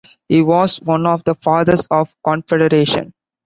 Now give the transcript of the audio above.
He was one of the Fathers of Confederation.